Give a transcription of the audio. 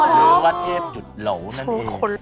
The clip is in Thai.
หรือว่าเทพหยุดเหลานั่นเอง